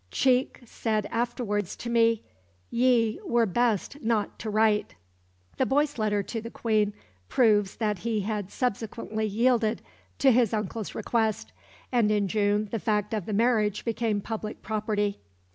Cheke said afterwards to me, 'Ye were best not to write.'" The boy's letter to the Queen proves that he had subsequently yielded to his uncle's request; and in June the fact of the marriage became public property.